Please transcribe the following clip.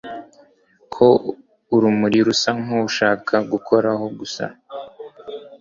ko urumuri rusa nkushaka gukoraho gusa